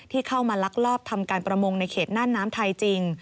เข้ามาลักลอบทำการประมงในเขตน่านน้ำไทยจริง